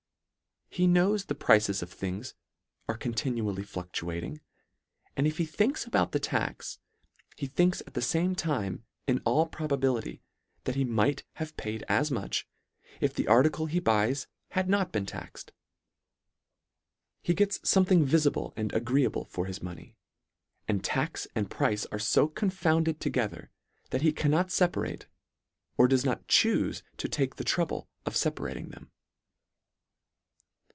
He knows the prices of things are continually fluctuating, and if he thinks about the tax, he thinks at the fame time in all probability, that he might have paid as much, if the article he buys had not been taxed. He gets fome thing vifible and agreeable for his money, and tax and price are fo confounded toge ther, that he cannot feparate, or does not chufe to take the trouble of feparating them.